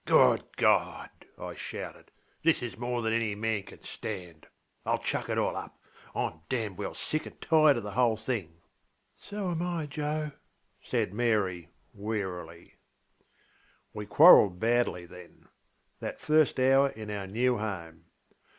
ŌĆśGood God! ŌĆÖ I shouted, ŌĆśthis is more than any man can stand. IŌĆÖll chuck it all up! IŌĆÖm damned well sick and tired of the whole thing. ŌĆÖ ŌĆśSo am I, Joe, ŌĆÖ said Mary wearily. We quarrelled badly thenŌĆöthat first hour in our new home.